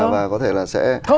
và có thể là sẽ